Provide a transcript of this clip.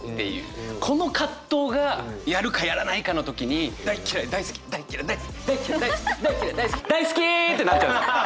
この葛藤がやるかやらないかの時に大っ嫌い大好き大っ嫌い大好き大っ嫌い大好き大っ嫌い大好き大好き！ってなっちゃうんです